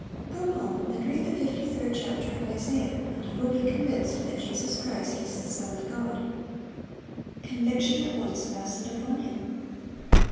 Go home and read the fifty third chapter of Isaiah, and you will be convinced that Jesus Christ is the Son of God."(594) Conviction at once fastened upon him.